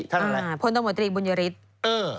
ท่านอะไรพนธมตรีบุญยฤทธิ์